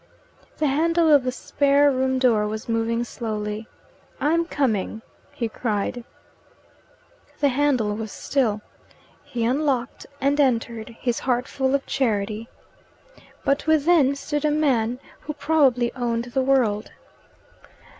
The handle of the spare room door was moving slowly. "I'm coming," he cried. The handle was still. He unlocked and entered, his heart full of charity. But within stood a man who probably owned the world.